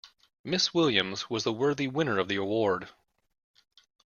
Miss Williams was the worthy winner of the award.